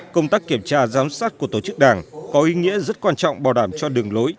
công tác kiểm tra giám sát của tổ chức đảng có ý nghĩa rất quan trọng bảo đảm cho đường lối